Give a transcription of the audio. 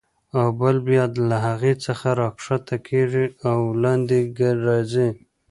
او بل بیا له هغې څخه راکښته کېږي او لاندې راځي.